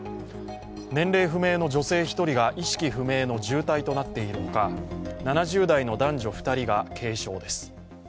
年齢不明の女性１人が意識不明の重体となっているほか７０代の男女２人が軽傷です。